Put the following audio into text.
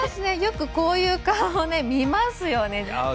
よくこういう顔見ますよね。